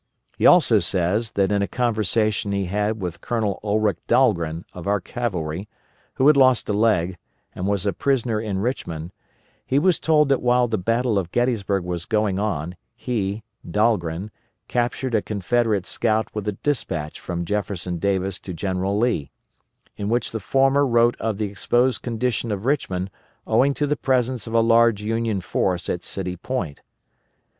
He also says that in a conversation he had with Colonel Ulric Dahlgren of our cavalry, who had lost a leg, and was a prisoner in Richmond, he was told that while the battle of Gettysburg was going on he (Dahlgren) captured a Confederate scout with a despatch from Jefferson Davis to General Lee, in which the former wrote of the exposed condition of Richmond owing to the presence of a large Union force at City Point.